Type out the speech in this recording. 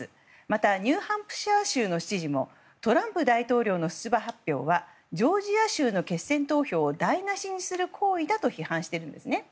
またニューハンプシャー州の知事もトランプ大統領の出馬発表はジョージア州の決選投票を台無しにする行為だと批判しているんですね。